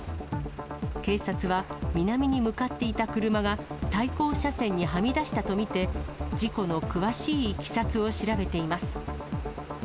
警察は、南に向かっていた車が、対向車線にはみ出したと見て、事故の詳しいいきさつを調べています。